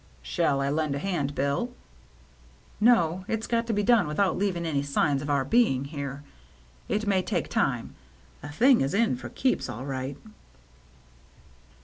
"Shall I lend a hand. Bill?" "No; it's got to be done without leaving any signs of our being here. It may take time — the thing is in for keeps, all right."